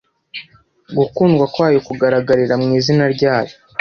gukundwa kwayo kugaragarira mu izina ryayo